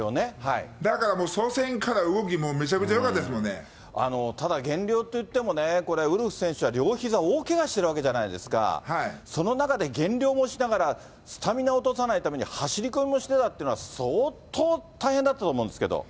だからもう、初戦から動き、ただ、減量といってもね、これ、ウルフ選手は両ひざ大けがしているわけじゃないですか、その中で減量もしながら、スタミナを落とさないために、走り込みもしてたっていうのは、相当大変だったと思うんですけど。